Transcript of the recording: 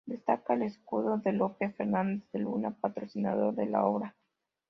Destaca el escudo de Lope Fernández de Luna, patrocinador de la obra.